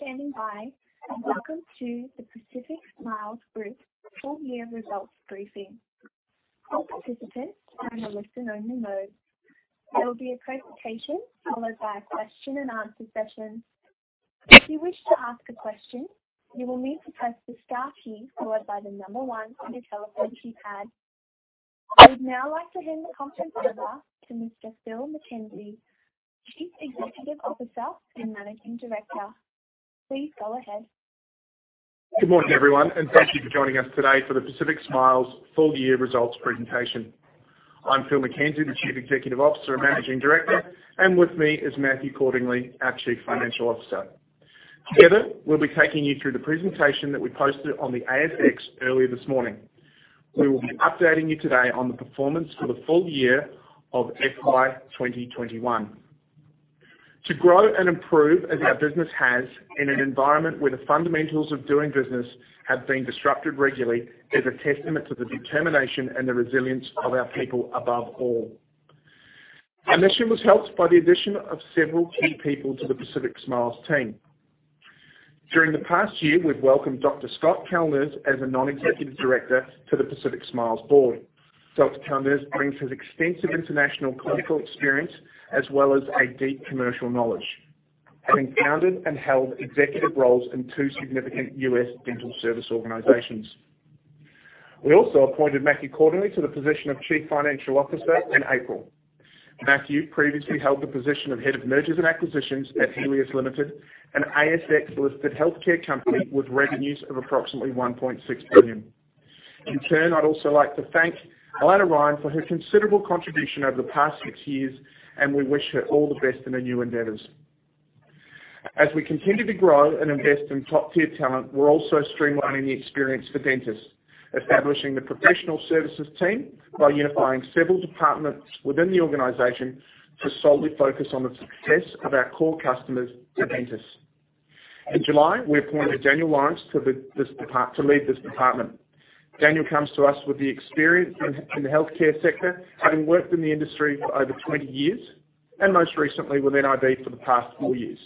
Thank you for standing by, and welcome to the Pacific Smiles Group full-year results briefing. All participants are on a listen-only mode. There will be a presentation followed by a question and answer session. If you wish to ask a question, you will need to press the star key followed by the number one on your telephone keypad. I would now like to hand the conference over to Mr. Phil McKenzie, Chief Executive Officer and Managing Director. Please go ahead. Good morning, everyone. Thank you for joining us today for the Pacific Smiles full-year results presentation. I'm Phil McKenzie, the Chief Executive Officer and Managing Director, and with me is Matthew Cordingley, our Chief Financial Officer. Together, we'll be taking you through the presentation that we posted on the ASX earlier this morning. We will be updating you today on the performance for the full year of FY 2021. To grow and improve as our business has, in an environment where the fundamentals of doing business have been disrupted regularly, is a testament to the determination and the resilience of our people, above all. Our mission was helped by the addition of several key people to the Pacific Smiles team. During the past year, we've welcomed Dr. Scott Kalniz as a Non-Executive Director to the Pacific Smiles board. Dr. Kalniz brings his extensive international clinical experience as well as a deep commercial knowledge, having founded and held executive roles in two significant U.S. dental service organizations. We also appointed Matthew Cordingley to the position of Chief Financial Officer in April. Matthew previously held the position of Head of Mergers and Acquisitions at Healius Limited, an ASX-listed healthcare company with revenues of approximately 1.6 billion. I'd also like to thank Allanna Ryan for her considerable contribution over the past six years, and we wish her all the best in her new endeavors. As we continue to grow and invest in top-tier talent, we're also streamlining the experience for dentists, establishing the Professional Services Team by unifying several departments within the organization to solely focus on the success of our core customers, the dentists. In July, we appointed Daniel Lawrence to lead this department. Daniel comes to us with experience in the healthcare sector, having worked in the industry for over 20 years, and most recently with nib for the past four years.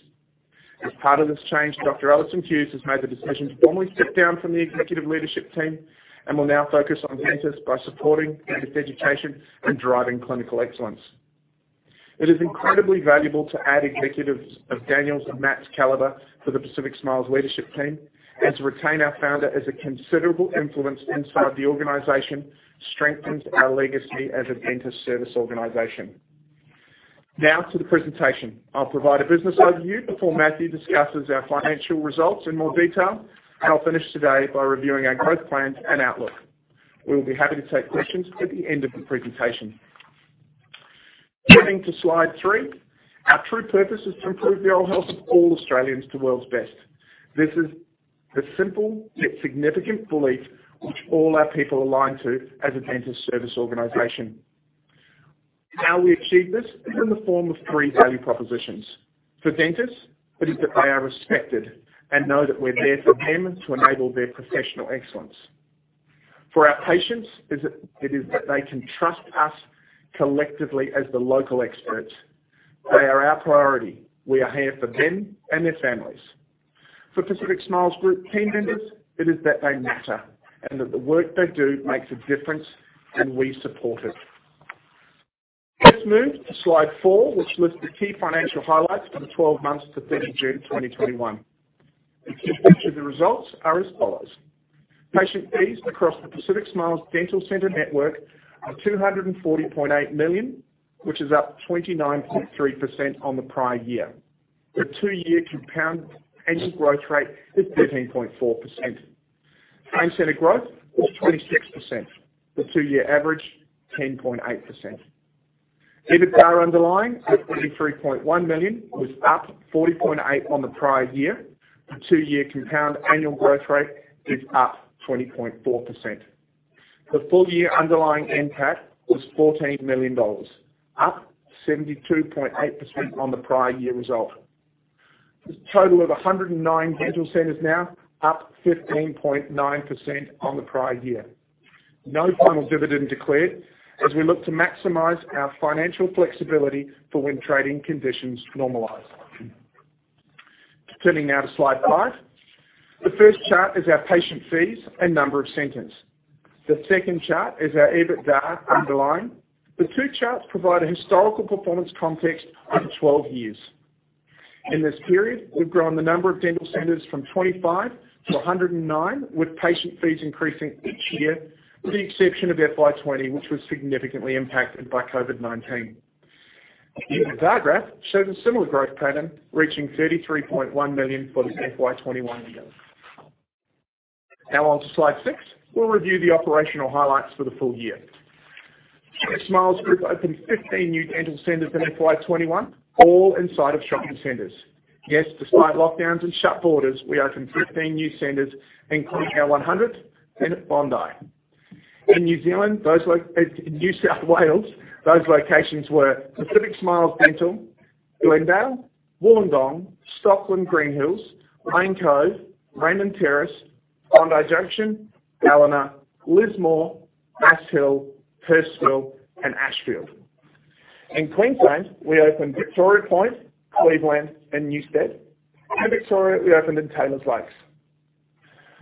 As part of this change, Dr. Alison Hughes has made the decision to formally step down from the executive leadership team and will now focus on dentists by supporting dentist education and driving clinical excellence. It is incredibly valuable to add executives of Daniel's and Matt's caliber to the Pacific Smiles leadership team, and to retain our founder as a considerable influence inside the organization strengthens our legacy as a dental service organization. Now to the presentation. I'll provide a business overview before Matthew discusses our financial results in more detail, and I'll finish today by reviewing our growth plans and outlook. We will be happy to take questions at the end of the presentation. Turning to slide three, our true purpose is to improve the oral health of all Australians to the world's best. This is the simple yet significant belief which all our people align to as a dental service organization. How we achieve this is in the form of three value propositions. For dentists, it is that they are respected and know that we're there for them to enable their professional excellence. For our patients, it is that they can trust us collectively as the local experts. They are our priority. We are here for them and their families. For Pacific Smiles Group team members, it is that they matter and that the work they do makes a difference, and we support it. Let's move to slide four, which lists the key financial highlights for the 12 months to 30 June 2021. The key features of the results are as follows. Patient fees across the Pacific Smiles Dental Center network are 240.8 million, which is up 29.3% on the prior year. The two-year compound annual growth rate is 13.4%. Same-center growth was 26%. The two-year average, 10.8%. EBITDA underlying at 23.1 million was up 40.8% on the prior year. The two-year compound annual growth rate is up 20.4%. The full-year underlying NPAT was 14 million dollars, up 72.8% on the prior year result. There's a total of 109 dental centres now, up 15.9% on the prior year. No final dividend declared as we look to maximize our financial flexibility for when trading conditions normalize. Turning now to slide five. The first chart is our patient fees and number of centres. The second chart is our EBITDA underlying. The two charts provide a historical performance context over 12 years. In this period, we've grown the number of dental centres from 25 to 109, with patient fees increasing each year, with the exception of FY 2020, which was significantly impacted by COVID-19. The EBITDA graph shows a similar growth pattern, reaching 33.1 million for the FY 2021 year. Now on to slide six. We'll review the operational highlights for the full year. Pacific Smiles Group opened 15 new dental centres in FY 2021, all inside of shopping centres. Yes, despite lockdowns and shut borders, we opened 15 new centres, including our 100th in Bondi. In New South Wales, those locations were Pacific Smiles Dental, Glendale, Wollongong, Stockland Greenhills, Lane Cove, Raymond Terrace, Bondi Junction, Ballina, Lismore, Ashfield, Hurstville, and Ashfield. In Queensland, we opened Victoria Point, Cleveland, and Newstead. In Victoria, we opened in Taylors Lakes.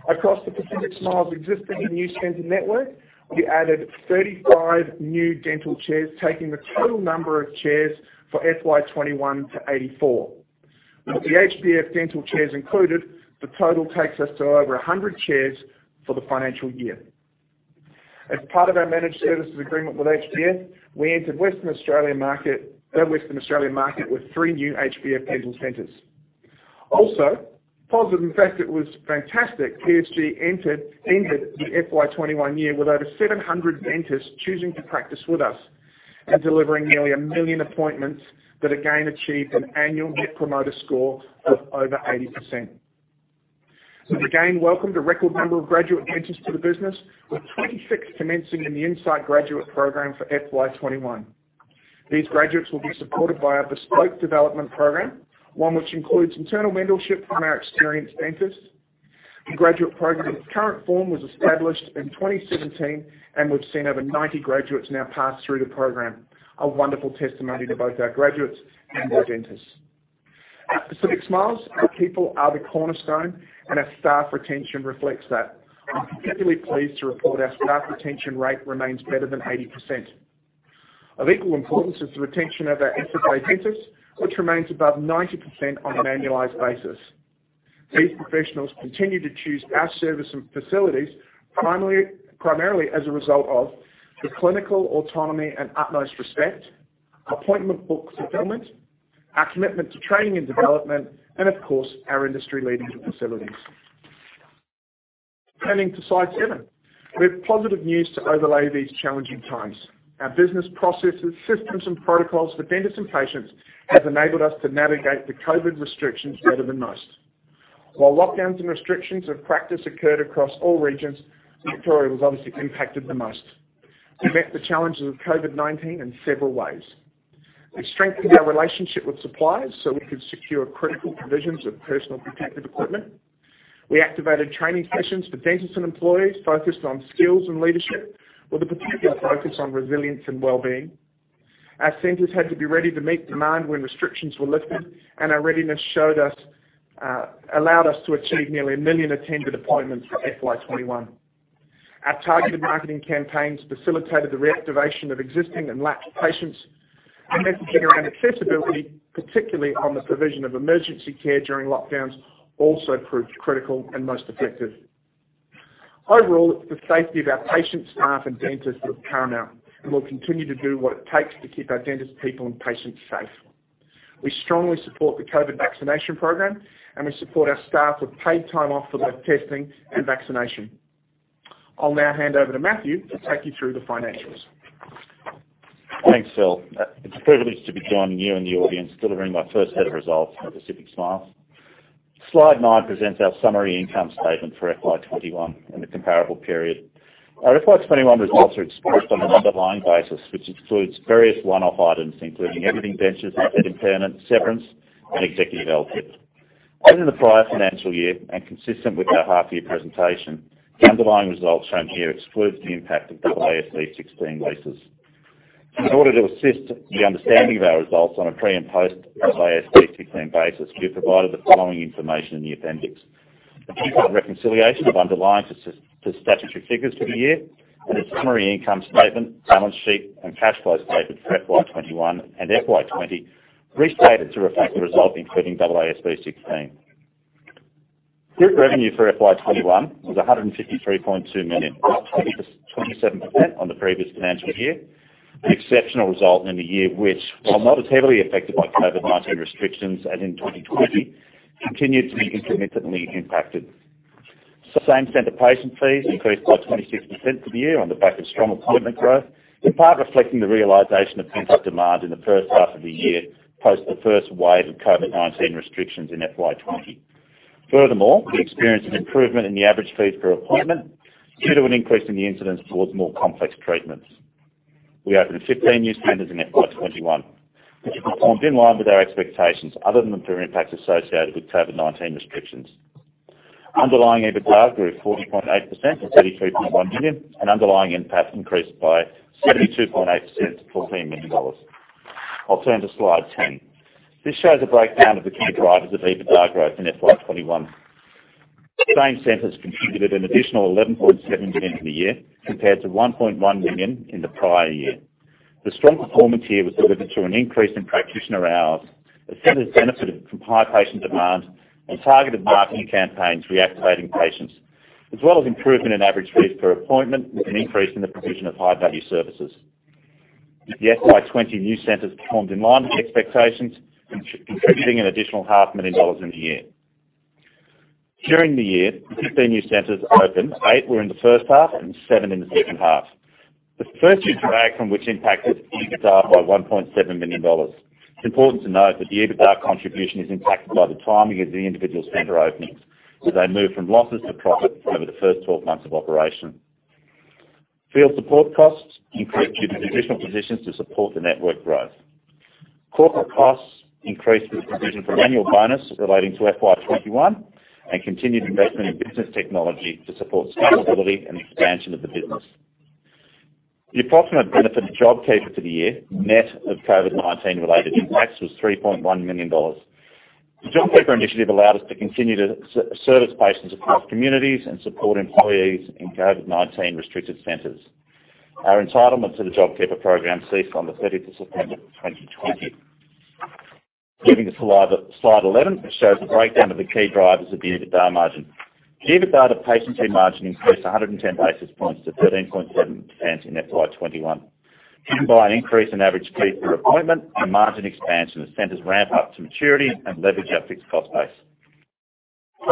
Across the Pacific Smiles existing and new center network, we added 35 new dental chairs, taking the total number of chairs for FY 2021 to 84. With the HBF Dental chairs included, the total takes us to over 100 chairs for the financial year. As part of our managed services agreement with HBF, we entered Western Australian market with three new HBF Dental centres. Also, positive, in fact, it was fantastic, PSG ended the FY 2021 year with over 700 dentists choosing to practice with us and delivering nearly 1 million appointments that again achieved an annual Net Promoter Score of over 80%. We again welcomed a record number of graduate dentists to the business, with 26 commencing in the Insight Graduate Program for FY 2021. These graduates will be supported by our bespoke development program, one which includes internal mentorship from our experienced dentists. The graduate program in its current form was established in 2017, and we've seen over 90 graduates now pass through the program. A wonderful testimony to both our graduates and our dentists. At Pacific Smiles, our people are the cornerstone, and our staff retention reflects that. I'm particularly pleased to report our staff retention rate remains better than 80%. Of equal importance is the retention of our associate dentists, which remains above 90% on an annualized basis. These professionals continue to choose our service and facilities primarily as a result of the clinical autonomy and utmost respect, appointment book fulfillment, our commitment to training and development, and of course, our industry-leading facilities. Turning to slide seven. We have positive news to overlay these challenging times. Our business processes, systems, and protocols for dentists and patients has enabled us to navigate the COVID restrictions better than most. While lockdowns and restrictions of practice occurred across all regions, Victoria was obviously impacted the most. We met the challenges of COVID-19 in several ways. We strengthened our relationship with suppliers so we could secure critical provisions of personal protective equipment. We activated training sessions for dentists and employees focused on skills and leadership with a particular focus on resilience and wellbeing. Our centres had to be ready to meet demand when restrictions were lifted, and our readiness allowed us to achieve nearly 1 million attended appointments for FY 2021. Our targeted marketing campaigns facilitated the reactivation of existing and lapsed patients. Our message around accessibility, particularly on the provision of emergency care during lockdowns, also proved critical and most effective. Overall, the safety of our patients, staff, and dentists is paramount, and we'll continue to do what it takes to keep our dentist people and patients safe. We strongly support the COVID vaccination program, and we support our staff with paid time off for both testing and vaccination. I'll now hand over to Matthew to take you through the financials. Thanks, Phil. It's a privilege to be joining you and the audience, delivering my first set of results for Pacific Smiles. Slide nine presents our summary income statement for FY 2021 and the comparable period. Our FY 2021 results are expressed on an underlying basis, which excludes various one-off items, including aborted ventures, asset impairment, severance, and executive LTI. As in the prior financial year and consistent with our half-year presentation, the underlying results shown here excludes the impact of AASB 16 leases. In order to assist the understanding of our results on a pre- and post-AASB 16 basis, we have provided the following information in the appendix. A detailed reconciliation of underlying to statutory figures for the year and a summary income statement, balance sheet, and cash flow statement for FY 2021 and FY 2020 restated to reflect the result including AASB 16. Group revenue for FY 2021 was 153.2 million, up 27% on the previous financial year. An exceptional result in the year, which while not as heavily affected by COVID-19 restrictions as in 2020, continued to be intermittently impacted. Same-center patient fees increased by 26% for the year on the back of strong appointment growth, in part reflecting the realization of pent-up demand in the first half of the year post the first wave of COVID-19 restrictions in FY 2020. We experienced an improvement in the average fees per appointment due to an increase in the incidence towards more complex treatments. We opened 15 new centres in FY 2021, which performed in line with our expectations other than the material impacts associated with COVID-19 restrictions. Underlying EBITDA grew 40.8% to 33.1 million, and underlying NPAT increased by 72.8% to 14 million dollars. I'll turn to slide 10. This shows a breakdown of the key drivers of EBITDA growth in FY 2021. Same centres contributed an additional 11.7 million in the year compared to 1.1 million in the prior year. The strong performance here was delivered through an increase in practitioner hours. The centres benefited from high patient demand and targeted marketing campaigns reactivating patients, as well as improvement in average fees per appointment with an increase in the provision of high-value services. The FY 2020 new centres performed in line with the expectations, contributing an additional half a million dollars in the year. During the year, the 15 new centres opened, eight were in the first half and seven in the second half. The first year drag from which impacted EBITDA by 1.7 million dollars. It's important to note that the EBITDA contribution is impacted by the timing of the individual center openings as they move from losses to profit over the first 12 months of operation. Field support costs increased due to additional positions to support the network growth. Corporate costs increased with provision for annual bonus relating to FY 2021, and continued investment in business technology to support scalability and expansion of the business. The approximate benefit of JobKeeper for the year, net of COVID-19 related impacts, was 3.1 million dollars. The JobKeeper initiative allowed us to continue to service patients across communities and support employees in COVID-19 restricted centres. Our entitlement to the JobKeeper program ceased on the 30th of September 2020. Moving us to slide 11, which shows the breakdown of the key drivers of the EBITDA margin. The EBITDA to patient fee margin increased 110 basis points to 13.7% in FY 2021, driven by an increase in average fee per appointment and margin expansion as centres ramp up to maturity and leverage our fixed cost base.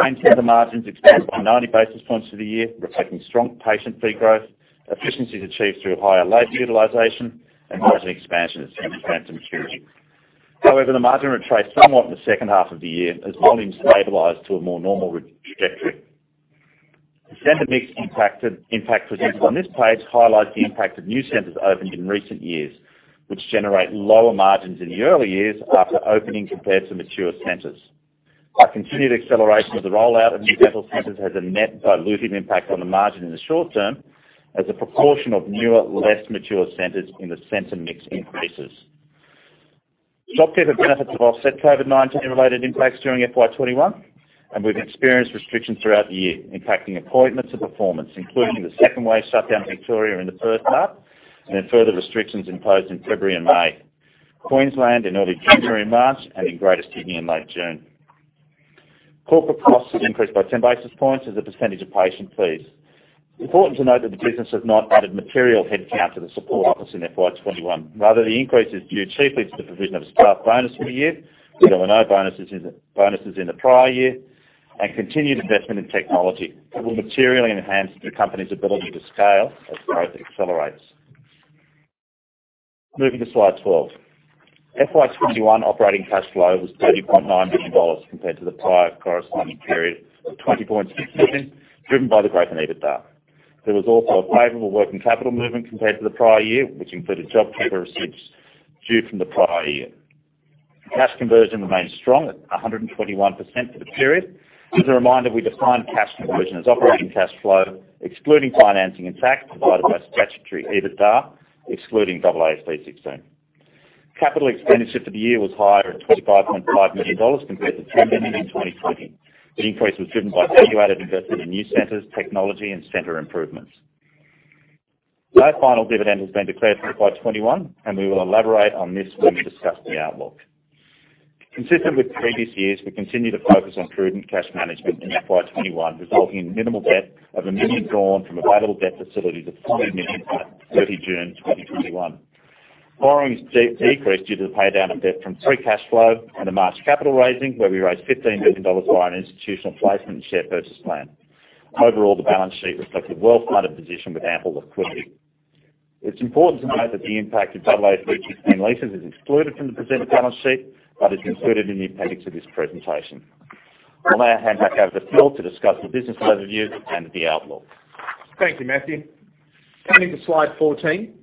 Same-center margins expanded by 90 basis points for the year, reflecting strong patient fee growth, efficiencies achieved through higher labor utilization, and margin expansion as centres ramp to maturity. The margin retraced somewhat in the second half of the year as volumes stabilized to a more normal trajectory. The center mix impact presented on this page highlights the impact of new centres opened in recent years, which generate lower margins in the early years after opening compared to mature centres. Our continued acceleration of the rollout of new dental centres has a net dilutive impact on the margin in the short term, as a proportion of newer, less mature centres in the center mix increases. JobKeeper benefits have offset COVID-19 related impacts during FY21, and we've experienced restrictions throughout the year, impacting appointments and performance, including the second wave shutdown in Victoria in the first half and then further restrictions imposed in February and May, Queensland in early January and March, and in Greater Sydney in late June. Corporate costs have increased by 10 basis points as a percentage of patient fees. It's important to note that the business has not added material headcount to the support office in FY 2021. Rather, the increase is due chiefly to the provision of a staff bonus for the year, where there were no bonuses in the prior year, and continued investment in technology that will materially enhance the company's ability to scale as growth accelerates. Moving to slide 12. FY 2021 operating cash flow was 30.9 million dollars compared to the prior corresponding period of 20.6 million, driven by the growth in EBITDA. There was also a favorable working capital movement compared to the prior year, which included JobKeeper receipts due from the prior year. Cash conversion remains strong at 121% for the period. As a reminder, we define cash conversion as operating cash flow, excluding financing and tax, divided by statutory EBITDA, excluding AASB 16. Capital expenditure for the year was higher at 25.5 million dollars compared to AUD 10 million in 2020. The increase was driven by accumulated investment in new centres, technology, and center improvements. No final dividend has been declared for FY 2021, and we will elaborate on this when we discuss the outlook. Consistent with previous years, we continue to focus on prudent cash management into FY 2021, resulting in minimal debt of 1 million drawn from available debt facilities of 40 million at 30 June 2021. Borrowings decreased due to the pay down of debt from free cash flow and a March capital raising, where we raised 15 million dollars via an institutional placement and share purchase plan. Overall, the balance sheet reflects a well-funded position with ample liquidity. It's important to note that the impact of AASB 16 leases is excluded from the presented balance sheet but is included in the appendix of this presentation. I'll now hand back over to Phil to discuss the business review and the outlook. Thank you, Matthew. Turning to slide 14.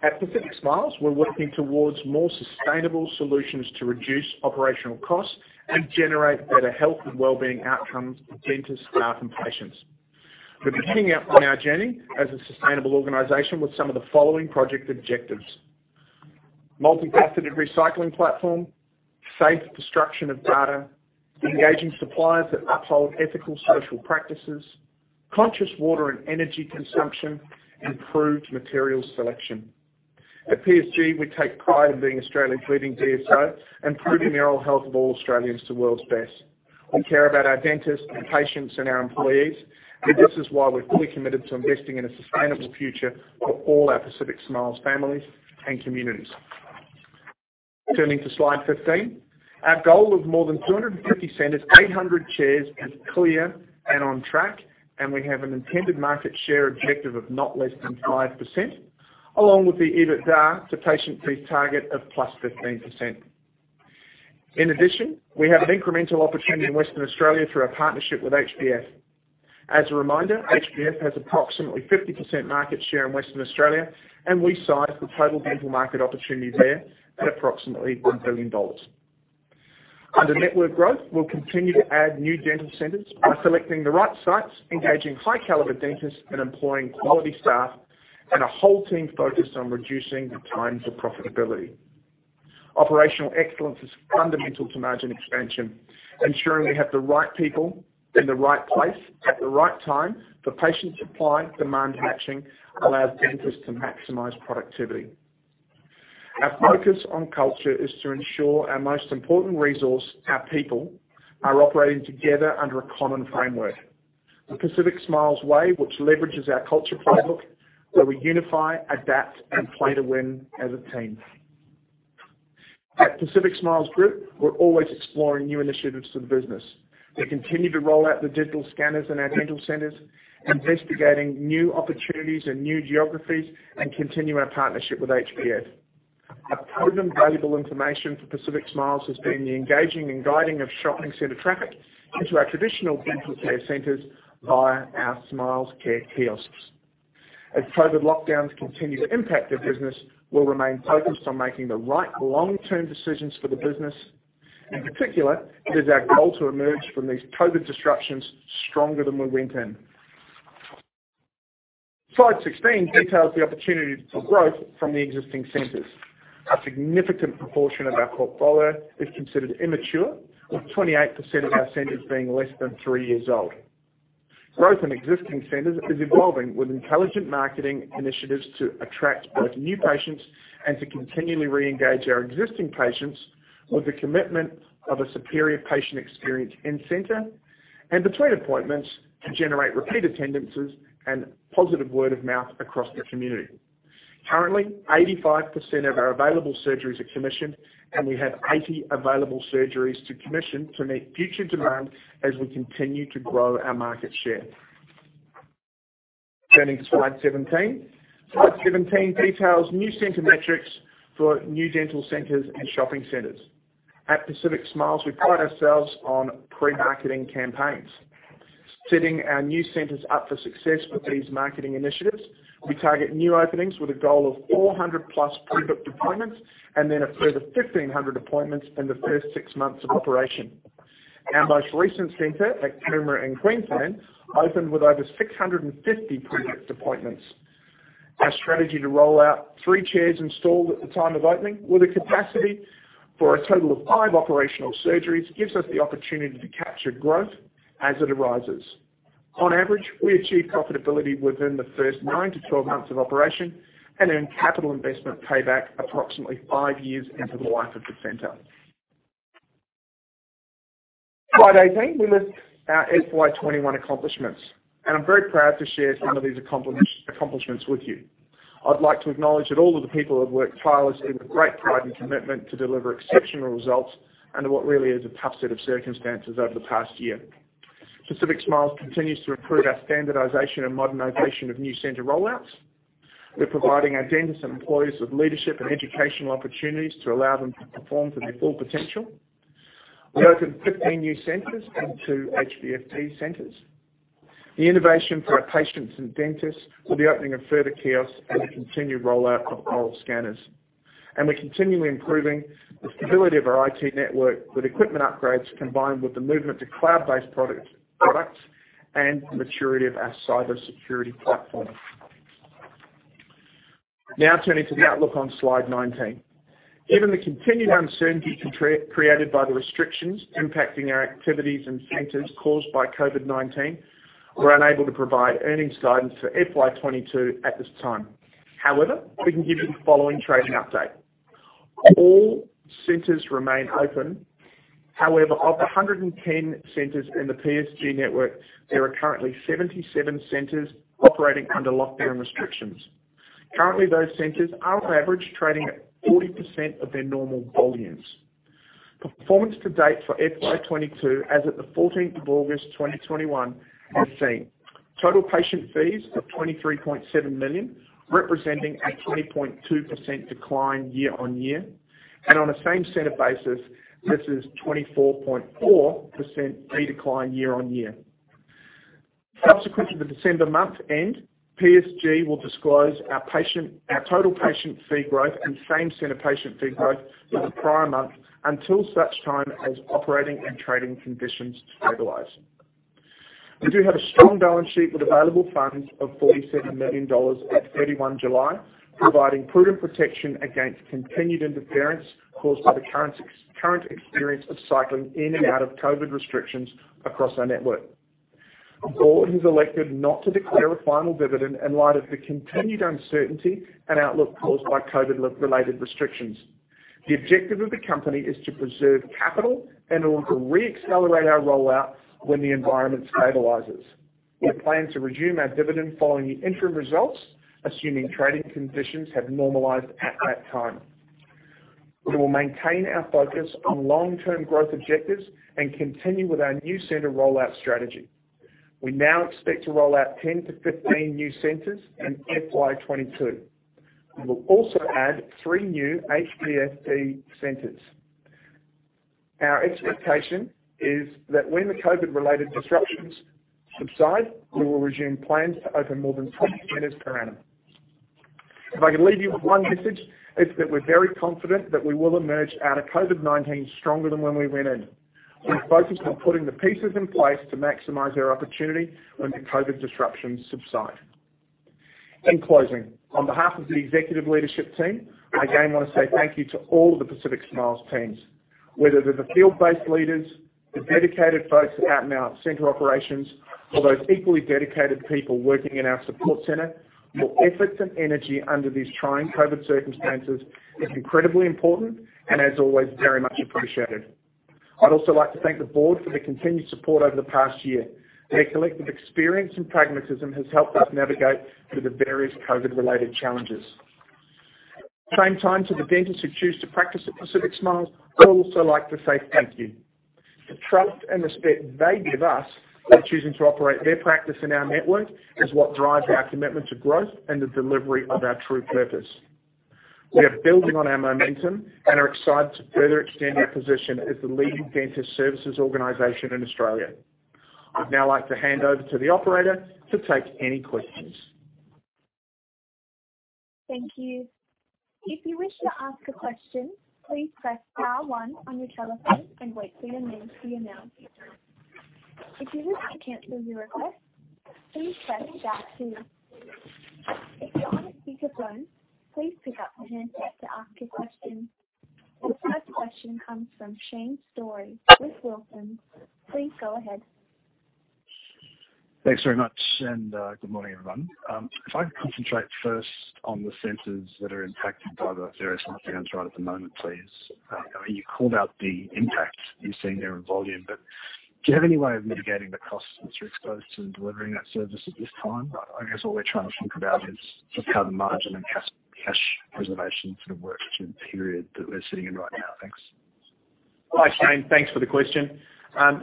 At Pacific Smiles, we're working towards more sustainable solutions to reduce operational costs and generate better health and wellbeing outcomes for dentists, staff, and patients. We're beginning out on our journey as a sustainable organization with some of the following project objectives. Multi-faceted recycling platform. Safe destruction of data. Engaging suppliers that uphold ethical social practices. Conscious water and energy consumption. Improved material selection. At PSG, we take pride in being Australia's leading DSO and improving the oral health of all Australians to the world's best. We care about our dentists, our patients, and our employees. This is why we're fully committed to investing in a sustainable future for all our Pacific Smiles families and communities. Turning to slide 15. Our goal of more than 250 centres, 800 chairs is clear and on track, and we have an intended market share objective of not less than 5%, along with the EBITDA to patient fees target of +15%. In addition, we have an incremental opportunity in Western Australia through our partnership with HBF. As a reminder, HBF has approximately 50% market share in Western Australia, and we size the total dental market opportunity there at approximately 1 billion dollars. Under network growth, we'll continue to add new dental centres by selecting the right sites, engaging high-caliber dentists and employing quality staff and a whole team focused on reducing the time to profitability. Operational excellence is fundamental to margin expansion. Ensuring we have the right people in the right place at the right time for patient supply/demand matching allows dentists to maximize productivity. Our focus on culture is to ensure our most important resource, our people, are operating together under a common framework. The Pacific Smiles way, which leverages our culture playbook, where we unify, adapt, and play to win as a team. At Pacific Smiles Group, we're always exploring new initiatives for the business. We continue to roll out the digital scanners in our dental centres, investigating new opportunities and new geographies, and continue our partnership with HBF. A proven valuable information for Pacific Smiles has been the engaging and guiding of shopping center traffic into our traditional dental care centres via our SmilesCare Kiosks. As COVID lockdowns continue to impact our business, we'll remain focused on making the right long-term decisions for the business. In particular, it is our goal to emerge from these COVID disruptions stronger than we went in. Slide 16 details the opportunity for growth from the existing centres. A significant proportion of our portfolio is considered immature, with 28% of our centres being less than three years old. Growth in existing centres is evolving with intelligent marketing initiatives to attract both new patients and to continually re-engage our existing patients with the commitment of a superior patient experience in-center and between appointments to generate repeat attendances and positive word of mouth across the community. Currently, 85% of our available surgeries are commissioned, and we have 80 available surgeries to commission to meet future demand as we continue to grow our market share. Turning to slide 17. Slide 17 details new center metrics for new dental centres and shopping centres. At Pacific Smiles, we pride ourselves on pre-marketing campaigns. Setting our new centres up for success with these marketing initiatives, we target new openings with a goal of 400+ pre-booked appointments and then a further 1,500 appointments in the first six months of operation. Our most recent center at Coomera in Queensland opened with over 650 pre-booked appointments. Our strategy to roll out three chairs installed at the time of opening with a capacity for a total of five operational surgeries gives us the opportunity to capture growth as it arises. On average, we achieve profitability within the first nine to 12 months of operation and earn capital investment payback approximately five years into the life of the center. Slide 18, we list our FY 2021 accomplishments. I'm very proud to share some of these accomplishments with you. I'd like to acknowledge that all of the people have worked tirelessly with great pride and commitment to deliver exceptional results under what really is a tough set of circumstances over the past year. Pacific Smiles continues to improve our standardization and modernization of new center rollouts. We're providing our dentists and employees with leadership and educational opportunities to allow them to perform to their full potential. We opened 15 new centres and two HBF centres. The innovation for our patients and dentists with the opening of further kiosks and the continued rollout of oral scanners. We're continually improving the stability of our IT network with equipment upgrades combined with the movement to cloud-based products and the maturity of our cybersecurity platform. Turning to the outlook on slide 19. Given the continued uncertainty created by the restrictions impacting our activities and centres caused by COVID-19, we're unable to provide earnings guidance for FY 2022 at this time. We can give you the following trading update. All centres remain open. Of the 110 centres in the PSG network, there are currently 77 centres operating under lockdown restrictions. Currently, those centres are on average trading at 40% of their normal volumes. Performance to date for FY 2022 as of the 14th of August 2021 is seen. Total patient fees of 23.7 million, representing a 20.2% decline year-on-year. On a same-center basis, this is 24.4% fee decline year-on-year. Subsequent to the December month end, PSG will disclose our total patient fee growth and same-center patient fee growth for the prior month until such time as operating and trading conditions stabilize. We do have a strong balance sheet with available funds of 47 million dollars at 31 July, providing prudent protection against continued interference caused by the current experience of cycling in and out of COVID restrictions across our network. The board has elected not to declare a final dividend in light of the continued uncertainty and outlook caused by COVID-related restrictions. The objective of the company is to preserve capital in order to re-accelerate our rollout when the environment stabilizes. We plan to resume our dividend following the interim results, assuming trading conditions have normalized at that time. We will maintain our focus on long-term growth objectives and continue with our new center rollout strategy. We now expect to roll out 10-15 new centres in FY 2022. We will also add three new HBF Dental centres. Our expectation is that when the COVID-related disruptions subside, we will resume plans to open more than 20 centres per annum. If I could leave you with one message, it's that we're very confident that we will emerge out of COVID-19 stronger than when we went in. We're focused on putting the pieces in place to maximize our opportunity when the COVID disruptions subside. In closing, on behalf of the executive leadership team, I again want to say thank you to all the Pacific Smiles teams, whether they're the field-based leaders, the dedicated folks out in our center operations, or those equally dedicated people working in our support center. Your efforts and energy under these trying COVID circumstances is incredibly important and, as always, very much appreciated. I'd also like to thank the board for their continued support over the past year. Their collective experience and pragmatism has helped us navigate through the various COVID-related challenges. At the same time, to the dentists who choose to practice at Pacific Smiles, I'd also like to say thank you. The trust and respect they give us by choosing to operate their practice in our network is what drives our commitment to growth and the delivery of our true purpose. We are building on our momentum and are excited to further extend our position as the leading dentist services organization in Australia. I'd now like to hand over to the operator to take any questions. Thank you. If you wish to ask a question, please press star one on your telephone and wait for your name to be announced. If you wish to cancel your request, please press star two. If you're on a speakerphone, please pick up the handset to ask a question. The first question comes from Shane Storey with Wilsons. Please go ahead. Thanks very much. Good morning, everyone. If I could concentrate first on the centres that are impacted by the various lockdowns right at the moment, please. You called out the impact you're seeing there in volume, do you have any way of mitigating the costs that you're exposed to in delivering that service at this time? I guess all we're trying to think about is just how the margin and cash preservation sort of works through the period that we're sitting in right now. Thanks. Hi, Shane. Thanks for the question.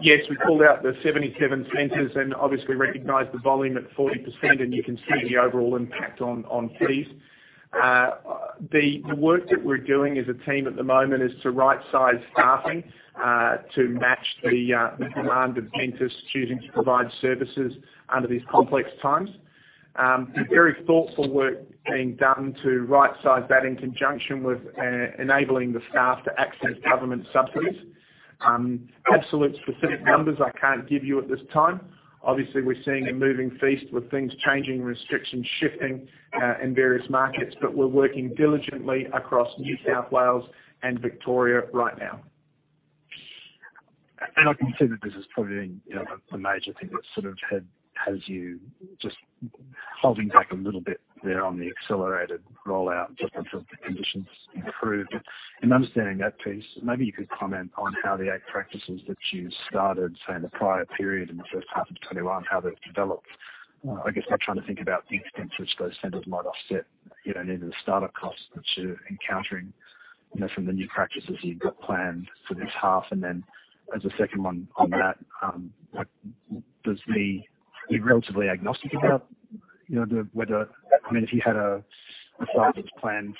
Yes, we called out the 77 centres and obviously recognized the volume at 40%, and you can see the overall impact on fees. The work that we're doing as a team at the moment is to right-size staffing to match the demand of dentists choosing to provide services under these complex times. Very thoughtful work being done to right-size that in conjunction with enabling the staff to access government subsidies. Absolute specific numbers I can't give you at this time. Obviously, we're seeing a moving feast with things changing, restrictions shifting in various markets. We're working diligently across New South Wales and Victoria right now. I can see that this is probably a major thing that sort of has you just holding back a little bit there on the accelerated rollout until the conditions improve. In understanding that piece, maybe you could comment on how the eight practices that you started, say, in the prior period in the first half of 2021, how they've developed. I guess I'm trying to think about the extent to which those centres might offset neither the start-up costs that you're encountering from the new practices you've got planned for this half. Then as a second one on that, are you relatively agnostic about If you had a site that's planned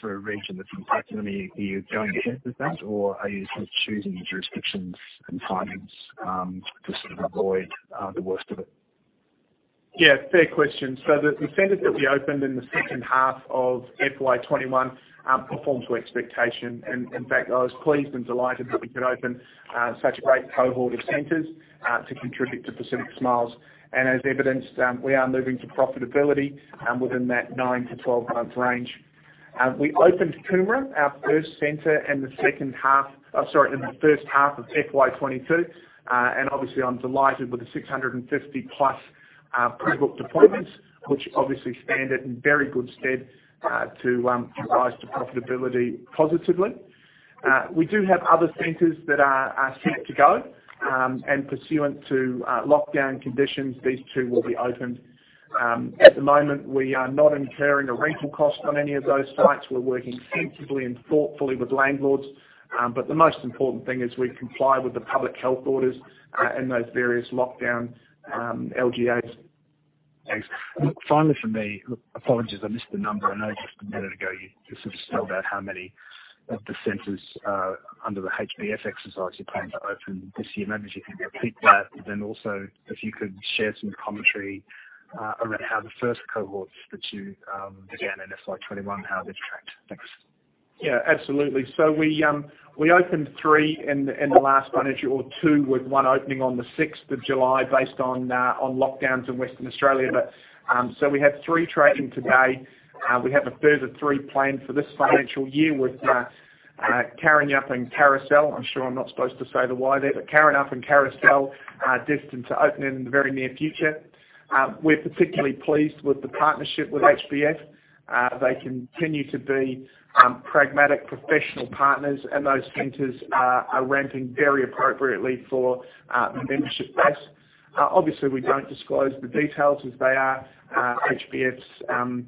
for a region that's impacted, I mean, are you going ahead with that? Or are you just choosing jurisdictions and timings to sort of avoid the worst of it? Fair question. The centres that we opened in the second half of FY 2021 performed to expectation. In fact, I was pleased and delighted that we could open such a great cohort of centres to contribute to Pacific Smiles Group. As evidenced, we are moving to profitability within that nine to 12 month range. We opened Coomera, our first center in the first half of FY 2022. Obviously, I'm delighted with the 650+ pre-booked appointments, which obviously stand at very good stead to rise to profitability positively. We do have other centres that are set to go. Pursuant to lockdown conditions, these too will be opened. At the moment, we are not incurring a rental cost on any of those sites. We're working sensibly and thoughtfully with landlords. The most important thing is we comply with the public health orders in those various lockdown LGAs. Thanks. Finally from me. Apologies, I missed the number. I know just a minute ago, you sort of spelled out how many of the centres under the HBF exercise you're planning to open this year. Maybe if you could repeat that, and then also if you could share some commentary around how the first cohorts that you began in FY 2021, how they've tracked. Thanks. Yeah, absolutely. We opened three in the last financial or two with one opening on the 6th of July based on lockdowns in Western Australia. We have three trading today. We have a further three planned for this financial year with Karrinyup and Carousel. I'm sure I'm not supposed to say the Y there, Karrinyup and Carousel are destined to open in the very near future. We're particularly pleased with the partnership with HBF. They continue to be pragmatic, professional partners, those centres are ramping very appropriately for the membership base. Obviously, we don't disclose the details as they are HBF's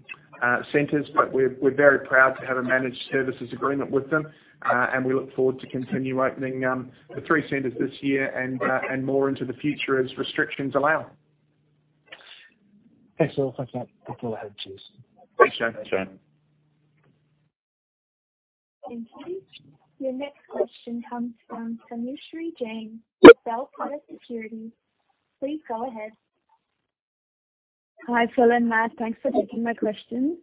centres, we're very proud to have a managed services agreement with them. We look forward to continue opening the three centres this year and more into the future as restrictions allow. Thanks a lot. Thanks for that. Look forward to it. Cheers. Thanks, Shane. Today, your next question comes from Tanushree Jain with Bell Potter Securities. Please go ahead. Hi, Phil and Matt. Thanks for taking my question.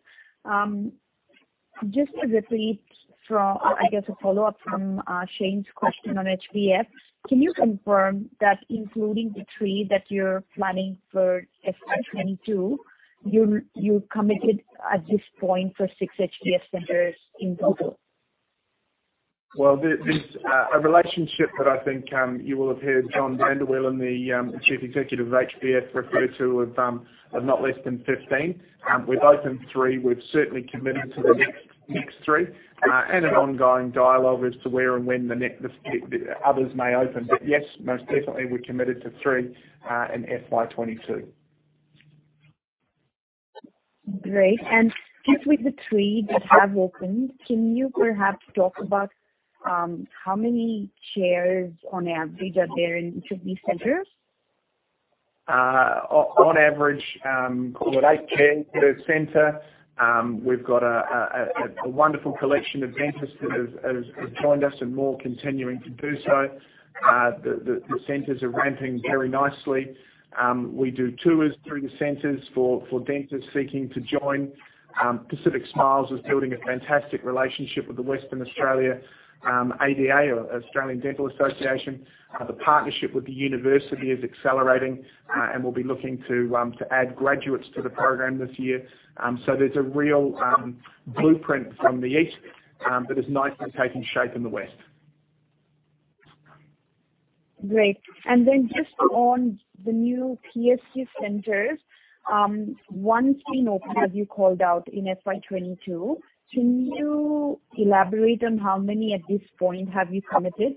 Just to repeat from, I guess, a follow-up from Shane's question on HBF, can you confirm that including the three that you're planning for FY 2022, you're committed at this point for six HBF centres in total? Well, there's a relationship that I think you will have heard John Van Der Wielen, the Chief Executive Officer of HBF refer to of not less than 15. We've opened three. We've certainly committed to the next three, and an ongoing dialogue as to where and when the others may open. Yes, most definitely we're committed to three in FY 2022. Great. Just with the three that have opened, can you perhaps talk about how many chairs on average are there in each of these centres? On average, call it eight chairs per center. We've got a wonderful collection of dentists that have joined us and more continuing to do so. The centres are ramping very nicely. We do tours through the centres for dentists seeking to join. Pacific Smiles is building a fantastic relationship with the Western Australia ADA, or Australian Dental Association. The partnership with the university is accelerating, and we'll be looking to add graduates to the program this year. There's a real blueprint from the east that is nicely taking shape in the west. Great. Just on the new PSG centres, one has been opened, as you called out, in FY 2022. Can you elaborate on how many at this point have you committed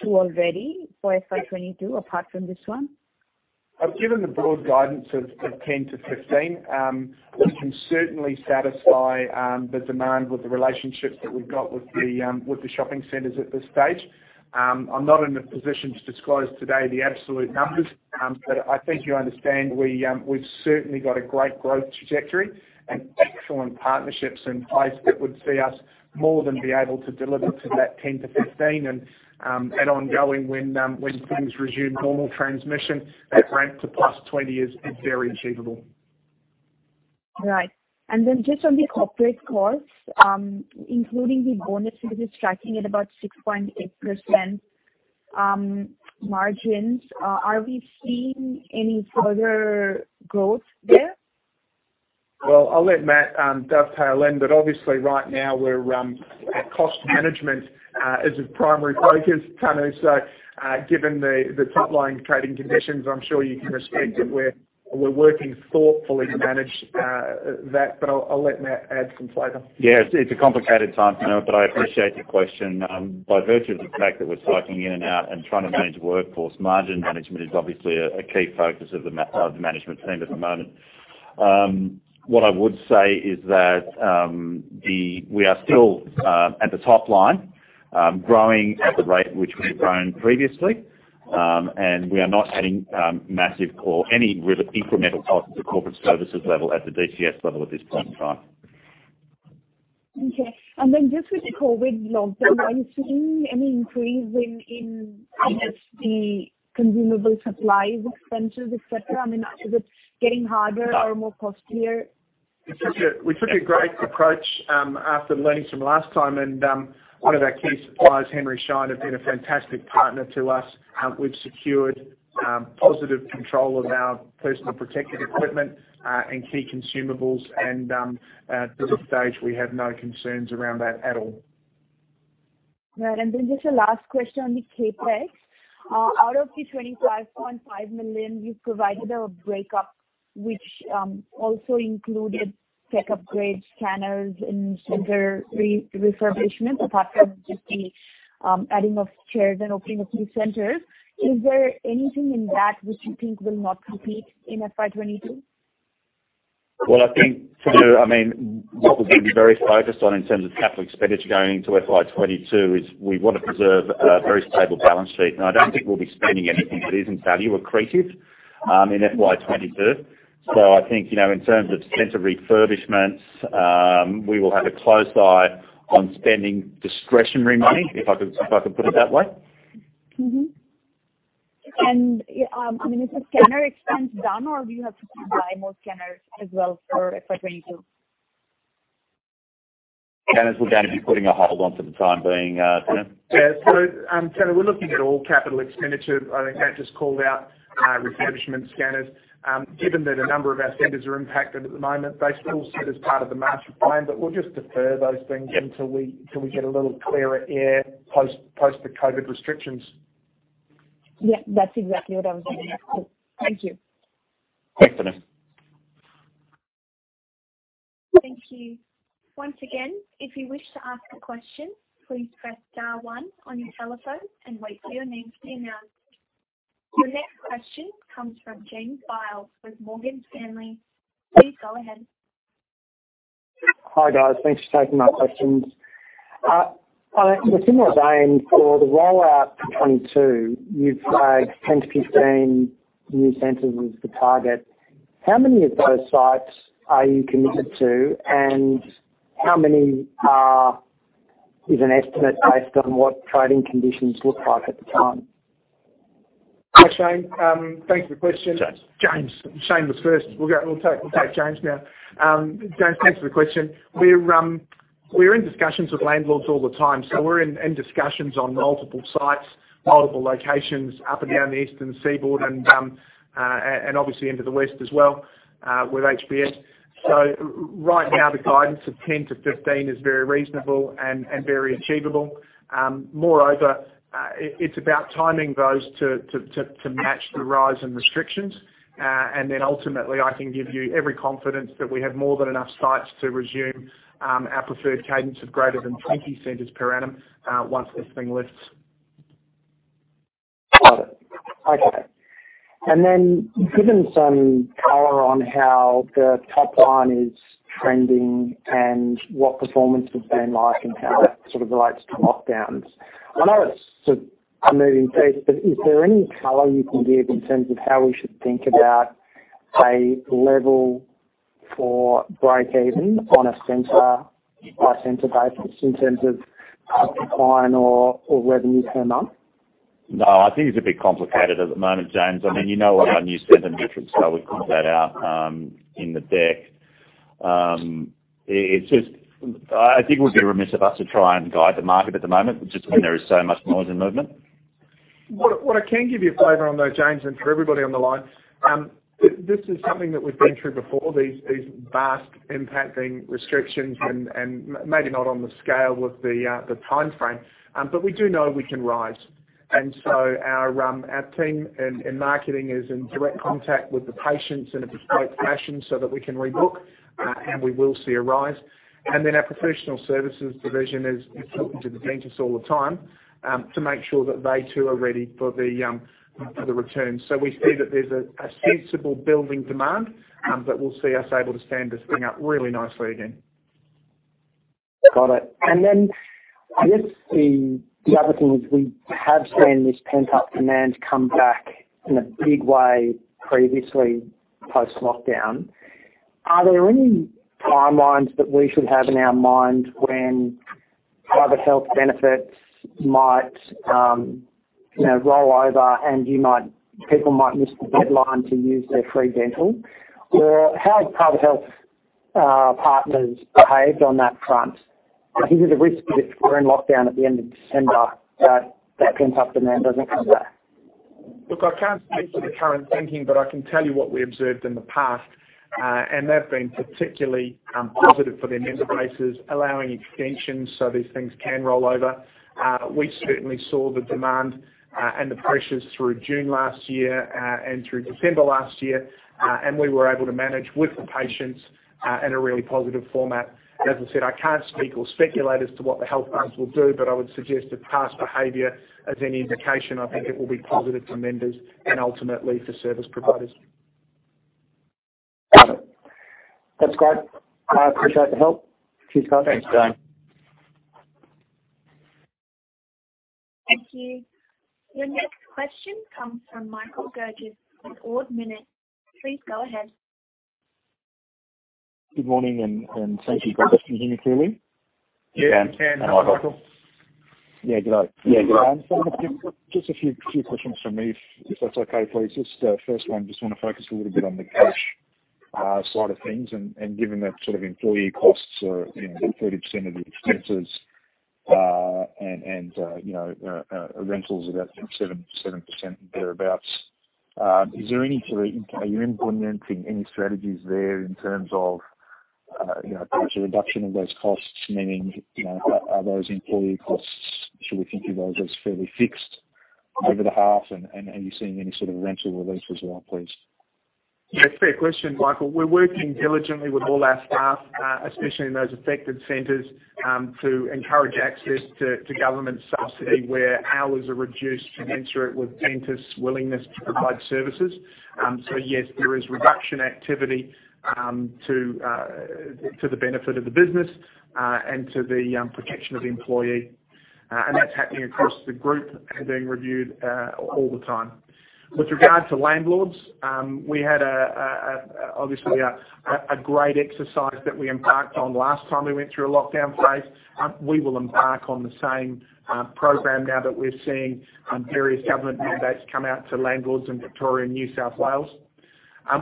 to already for FY 2022 apart from this one? I've given the broad guidance of 10-15. We can certainly satisfy the demand with the relationships that we've got with the shopping centres at this stage. I'm not in a position to disclose today the absolute numbers. I think you understand we've certainly got a great growth trajectory and excellent partnerships in place that would see us more than be able to deliver to that 10-15, and ongoing when things resume normal transmission, that ramp to +20 is very achievable. Right. Just on the corporate costs, including the bonuses, it's tracking at about 6.8% margins. Are we seeing any further growth there? Well, I'll let Matt dovetail in, obviously right now, our cost management is a primary focus, Tanu. Given the top-line trading conditions, I'm sure you can appreciate that we're working thoughtfully to manage that. I'll let Matt add some flavor. Yeah. It's a complicated time, Tanu, but I appreciate your question. By virtue of the fact that we're cycling in and out and trying to manage workforce, margin management is obviously a key focus of the management team at the moment. What I would say is that we are still, at the top line, growing at the rate which we've grown previously. We are not adding massive or any real incremental costs at the corporate services level, at the DCS level at this point in time. Okay. Then just with the COVID lockdown, are you seeing any increase in, I guess, the consumable supplies, expenses, et cetera? I mean, is it getting harder or more costlier? We took a great approach after learning from last time, and one of our key suppliers, Henry Schein, have been a fantastic partner to us. We've secured positive control of our personal protective equipment and key consumables. At this stage, we have no concerns around that at all. Right. Just a last question on the CapEx. Out of the 25.5 million, you've provided a breakup, which also included tech upgrades, scanners in center refurbishment, apart from just the adding of chairs and opening a few centres. Is there anything in that which you think will not complete in FY 2022? Well, I think, Tanu, I mean, what we're going to be very focused on in terms of capital expenditure going into FY 2022 is we want to preserve a very stable balance sheet, and I don't think we'll be spending anything that isn't value accretive in FY 2023. I think, in terms of center refurbishments, we will have a close eye on spending discretionary money, if I could put it that way. Mm-hmm. I mean, is the scanner expense done, or do you have to buy more scanners as well for FY 2022? Scanners, we're going to be putting a hold on for the time being, Tanu. Tanu, we're looking at all capital expenditure. I think Matt just called out refurbishment scanners. Given that a number of our centres are impacted at the moment, they're still set as part of the March plan, but we'll just defer those things until we get a little clearer air post the COVID restrictions. Yeah. That's exactly what I was going to ask you. Thank you. Thanks, Tanu. Thank you. Once again, if you wish to ask a question, please press star one on your telephone and wait for your name to be announced. Your next question comes from James Giles with Morgan Stanley. Please go ahead. Hi, guys. Thanks for taking my questions. On a similar vein, for the rollout for 2022, you've flagged 10-15 new centres as the target. How many of those sites are you committed to, and how many are with an estimate based on what trading conditions look like at the time? Hi, Shane. Thanks for the question. James. James. Shane was first. We'll take James now. James, thanks for the question. We're in discussions with landlords all the time, so we're in discussions on multiple sites, multiple locations up and down the eastern seaboard and obviously into the west as well with HBF. Right now, the guidance of 10-15 is very reasonable and very achievable. Moreover, it's about timing those to match the rise in restrictions. Ultimately, I can give you every confidence that we have more than enough sites to resume our preferred cadence of greater than 20 centres per annum once this thing lifts. Got it. Okay. Then given some color on how the top line is trending and what performance has been like and how that relates to lockdowns. I know it's a moving piece, is there any color you can give in terms of how we should think about a level for break even on a center-by-center basis in terms of decline or revenue per month? No, I think it's a bit complicated at the moment, James. You know our new center metrics, how we point that out in the deck. I think it would be remiss of us to try and guide the market at the moment, just when there is so much noise and movement. What I can give you a flavor on, though, James, and for everybody on the line. This is something that we've been through before, these vast impacting restrictions, and maybe not on the scale with the timeframe. We do know we can rise. Our team in marketing is in direct contact with the patients in a bespoke fashion so that we can rebook. We will see a rise. Our professional services division is talking to the dentists all the time, to make sure that they too are ready for the return. We see that there's a sensible building demand, that will see us able to stand this thing up really nicely again. Got it. I guess the other thing is we have seen this pent-up demand come back in a big way previously, post-lockdown. Are there any timelines that we should have in our mind when private health benefits might roll over, and people might miss the deadline to use their free dental? How have private health partners behaved on that front? I think there's a risk if we're in lockdown at the end of December, that pent-up demand doesn't come back. Look, I can't speak to the current thinking, but I can tell you what we observed in the past. They've been particularly positive for their member bases, allowing extensions so these things can roll over. We certainly saw the demand, and the pressures through June last year, and through December last year. We were able to manage with the patients, in a really positive format. As I said, I can't speak or speculate as to what the health funds will do, but I would suggest that past behavior as any indication, I think it will be positive for members and ultimately for service providers. Got it. That's great. I appreciate the help. Cheers. Thanks, James. Thank you. Your next question comes from Michael Gerges with Ord Minnett. Please go ahead. Good morning, and thank you. Can you hear me clearly? Yes, we can. Hello, Michael. Yeah, good day. Yeah, good day. Just a few questions from me, if that's okay, please. Just the first one, just want to focus a little bit on the cash side of things. Given that employee costs are 30% of the expenses, and rentals are about 7% thereabout. Are you implementing any strategies there in terms of perhaps a reduction of those costs? Meaning, are those employee costs, should we think of those as fairly fixed over the half, and are you seeing any sort of rental relief as well, please? Yeah, fair question, Michael. We're working diligently with all our staff, especially in those affected centres, to encourage access to government subsidy where hours are reduced in answer with dentists' willingness to provide services. Yes, there is reduction activity to the benefit of the business, and to the protection of the employee. That's happening across the group and being reviewed all the time. With regard to landlords, we had obviously a great exercise that we embarked on last time we went through a lockdown phase. We will embark on the same program now that we're seeing various government mandates come out to landlords in Victoria and New South Wales.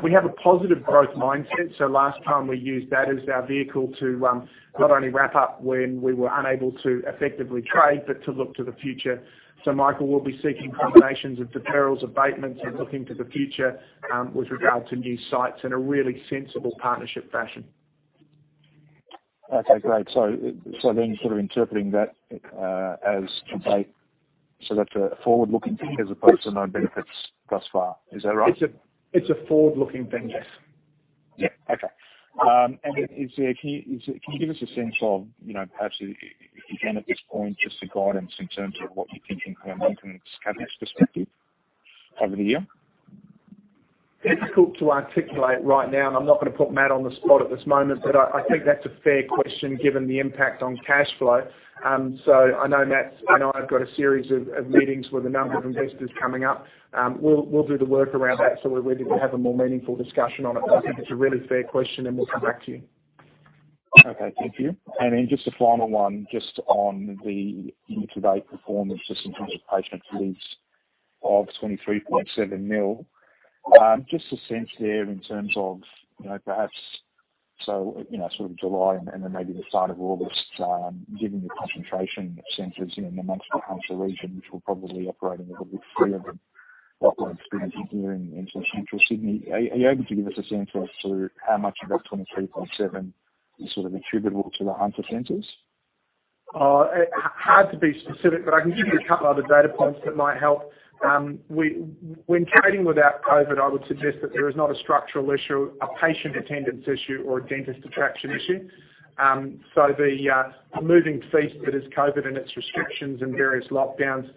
We have a positive growth mindset. Last time we used that as our vehicle to not only ramp up when we were unable to effectively trade, but to look to the future. Michael, we'll be seeking combinations of deferrals, abatements, and looking to the future, with regard to new sites in a really sensible partnership fashion. Okay, great. Sort of interpreting that as abate. That's a forward-looking thing as opposed to no benefits thus far. Is that right? It's a forward-looking thing, yes. Yeah. Okay. Can you give us a sense of perhaps if you can at this point, just a guidance in terms of what you're thinking from a maintenance cash perspective over the year? Difficult to articulate right now, and I'm not going to put Matt on the spot at this moment. I think that's a fair question given the impact on cash flow. I know Matt and I have got a series of meetings with a number of investors coming up. We'll do the work around that so we're ready to have a more meaningful discussion on it. I think it's a really fair question, and we'll come back to you. Okay, thank you. Just a final one, just on the year-to-date performance just in terms of patient fees of 23.7 million. Just a sense there in terms of perhaps, so sort of July and then maybe the start of August, given the concentration of centres in and amongst the Hunter region, which will probably be operating a little bit freer than what we're experiencing here in Central Sydney. Are you able to give us a sense as to how much of that 23.7 million is sort of attributable to the Hunter centres? Hard to be specific, but I can give you a couple other data points that might help. When trading without COVID, I would suggest that there is not a structural issue, a patient attendance issue, or a dentist attraction issue. The moving feast that is COVID and its restrictions and various lockdowns,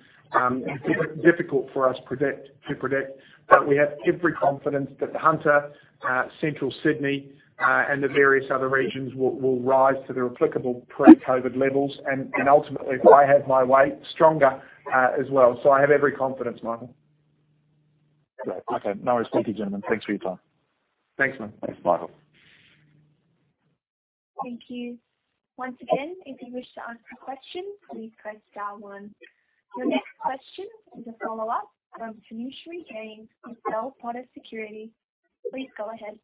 difficult for us to predict. We have every confidence that the Hunter, Central Sydney, and the various other regions will rise to their applicable pre-COVID levels and, ultimately, if I have my way, stronger as well. I have every confidence, Michael. Great. Okay. No worries. Thank you, gentlemen. Thanks for your time. Thanks, man. Thanks, Michael. Thank you. Once again, if you wish to ask a question, please press star one. Your next question is a follow-up from Tanushree Jain with Bell Potter Securities. Please go ahead.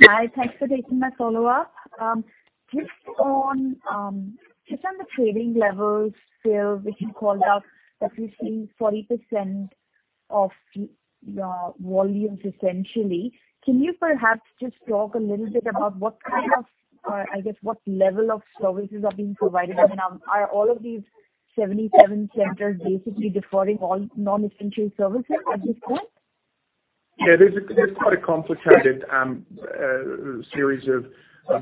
Hi. Thanks for taking my follow-up. Just on the trading levels here, which you called out that you're seeing 40% of your volumes, essentially. Can you perhaps just talk a little bit about, I guess, what level of services are being provided? Are all of these 77 centres basically deferring all non-essential services at this point? There's quite a complicated series of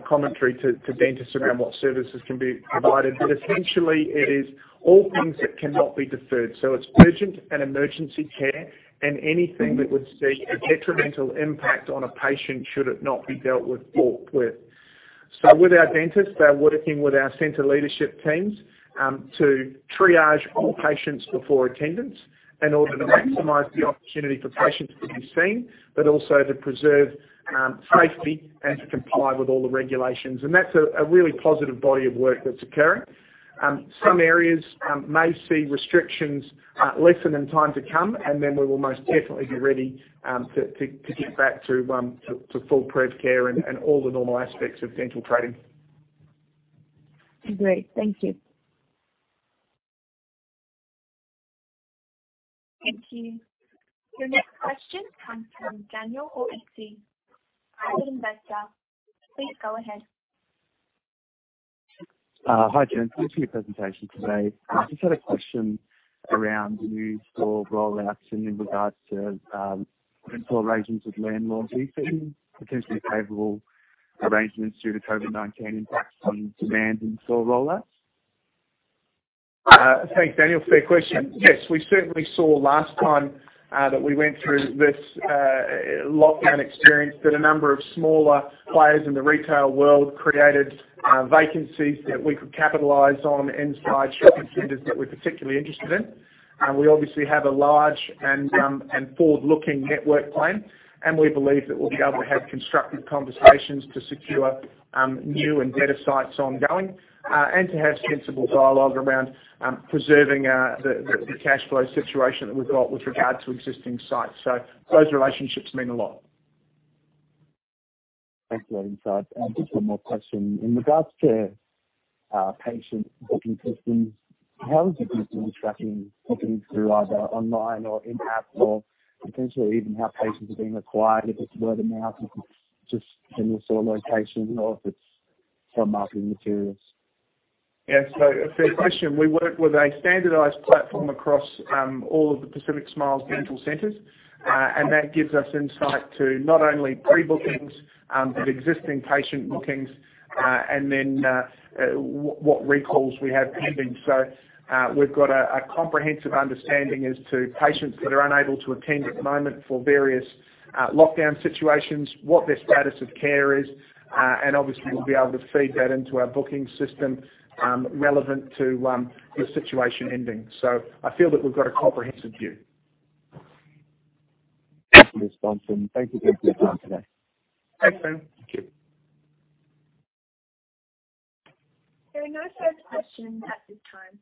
commentary to dentists around what services can be provided. Essentially, it is all things that cannot be deferred. It's urgent and emergency care and anything that would see a detrimental impact on a patient should it not be dealt with or treated. With our dentists, they're working with our center leadership teams to triage all patients before attendance in order to maximize the opportunity for patients to be seen, but also to preserve safety and to comply with all the regulations. That's a really positive body of work that's occurring. Some areas may see restrictions lessen in time to come, and then we will most definitely be ready to get back to full prev care and all the normal aspects of dental trading. Great. Thank you. Thank you. Your next question comes from Daniel [O'Leary], Private Investor. Please go ahead. Hi, gents. Thanks for your presentation today. I just had a question around new store rollouts and in regards to dental arrangements with landlords. Are you seeing potentially favorable arrangements due to COVID-19 impacts on demand and store rollouts? Thanks, Daniel. Fair question. Yes, we certainly saw last time that we went through this lockdown experience, that a number of smaller players in the retail world created vacancies that we could capitalize on inside shopping centres that we're particularly interested in. We obviously have a large and forward-looking network plan, and we believe that we'll be able to have constructive conversations to secure new and better sites ongoing, and to have sensible dialogue around preserving the cash flow situation that we've got with regard to existing sites. Those relationships mean a lot. Thanks for that insight. Just one more question. In regards to patient booking systems, how have you been tracking bookings through either online or in-app or potentially even how patients are being acquired, if it's word of mouth, if it's just in your store location, or if it's from marketing materials? Yeah. A fair question. We work with a standardized platform across all of the Pacific Smiles Dental centres. That gives us insight to not only pre-bookings but existing patient bookings, what recalls we have pending. We've got a comprehensive understanding as to patients that are unable to attend at the moment for various lockdown situations, what their status of care is, and obviously, we'll be able to feed that into our booking system, relevant to the situation ending. I feel that we've got a comprehensive view. Excellent response. Thank you both for your time today. Thanks, Dan. Thank you. There are no further questions at this time.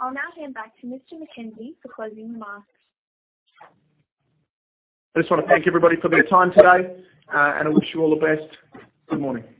I'll now hand back to Mr. McKenzie for closing remarks. Just want to thank everybody for their time today, and I wish you all the best. Good morning.